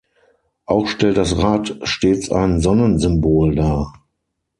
Auch stellt das Rad stets ein Sonnensymbol dar.